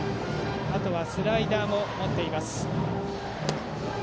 スライダーも持っています。